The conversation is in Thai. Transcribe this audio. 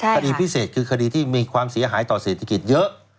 คดีพิเศษคือคดีที่มีความเสียหายต่อเศรษฐกิจเยอะ